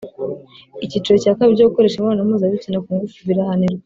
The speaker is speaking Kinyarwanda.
icyiciro cya kabiri cyo gukoresha imibonano mpuza bitsina kungufu birahanirwa